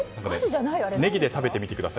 ネギで食べてみてください。